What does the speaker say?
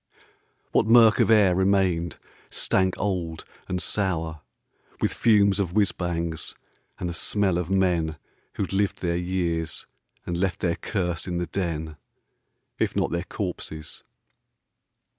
What murk of air remained stank old, and sour With fumes of whizz bangs, and the smell of men Who'd lived there years, and left their curse in the den, If not their corpses